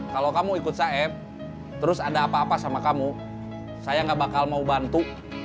kalau kamu ikut saif terus ada apa apa sama kamu saya gak bakal mau bantu